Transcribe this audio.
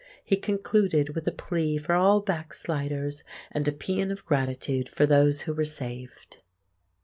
He concluded with a plea for all backsliders and a pæan of gratitude for those who were saved.